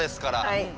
はい。